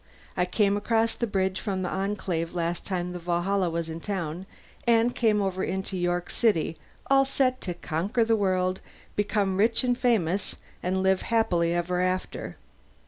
I came across the bridge from the Enclave last time the Valhalla was in town, and came over into York City all set to conquer the world, become rich and famous, and live happily ever after.